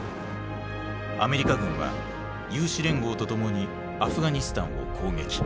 アメリカ軍は有志連合とともにアフガニスタンを攻撃。